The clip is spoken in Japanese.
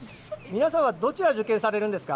皆さんはどちらを受験されるんですか？